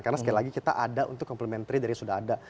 karena sekali lagi kita ada untuk complementary dari sudah ada